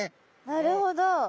なるほど。